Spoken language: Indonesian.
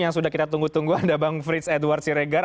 yang sudah kita tunggu tunggu ada bang frits edward siregar